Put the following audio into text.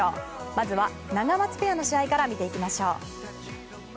まずは、ナガマツペアの試合から見ていきましょう。